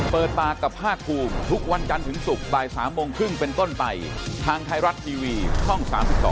เปิดปากกับภาคภูมิทุกวันจันทร์ถึงศุกร์บ่าย๓โมงครึ่งเป็นต้นไปทางไทยรัฐทีวีช่อง๓๒